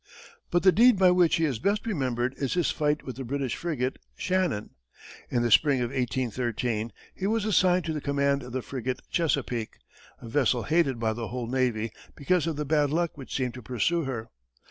But the deed by which he is best remembered is his fight with the British frigate Shannon. In the spring of 1813, he was assigned to the command of the frigate Chesapeake, a vessel hated by the whole navy because of the bad luck which seemed to pursue her.